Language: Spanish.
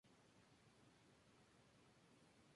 Pueden ser especialmente dañinos para posturas en semilleros.